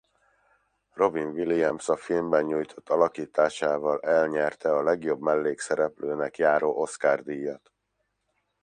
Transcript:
Robin Williams a filmben nyújtott alakításával elnyerte a legjobb mellékszereplőnek járó Oscar-díjat.